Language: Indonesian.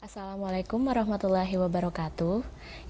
assalamualaikum warahmatullahi wabarakatuh